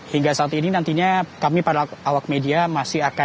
hingga saat ini nantinya kami pada awak media masih akan